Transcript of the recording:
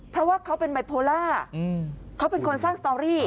เพราะว่าเขาเป็นไบโพล่าเขาเป็นคนสร้างสตอรี่